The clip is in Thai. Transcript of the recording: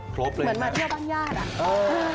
ครบเลยค่ะเหมือนมาเที่ยวต้านญาติอ่ะคือ